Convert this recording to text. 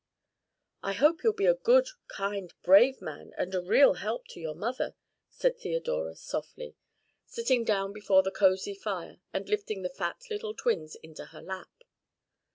"I hope you'll be a good kind brave man and a real help to your mother," said Theodora softly, sitting down before the cosy fire and lifting the fat little twins into her lap.